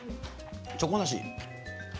チョコなし。